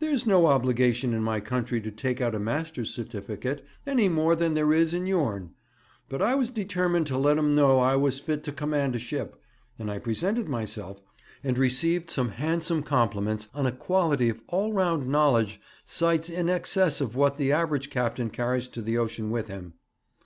There's no obligation in my country to take out a master's certificate, any more than there is in yourn; but I was determined to let 'm know I was fit to command a ship, and I presented myself, and received some handsome compliments on a quality of all round knowledge sights in excess of what the average captain carries to the ocean with him.